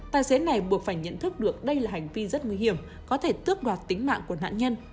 tài xế này buộc phải nhận thức được đây là hành vi rất nguy hiểm có thể tước đoạt tính mạng của nạn nhân